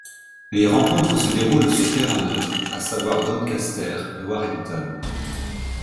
Les rencontres se déroulent sur terrain neutre, à savoir Doncaster et Warrington.